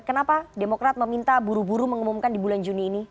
kenapa demokrat meminta buru buru mengumumkan di bulan juni ini